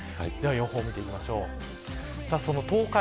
今日の予報、見ていきましょう。